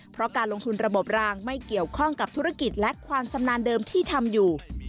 เพราะการลงทุนระบบรางไม่เกี่ยวข้องกับธุรกิจและความชำนาญเดิมที่ทำอยู่